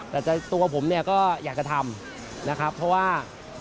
แต่ตัวผมเนี่ยก็อยากจะทำนะครับเพราะว่า